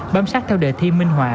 bám sát theo đề thi minh hòa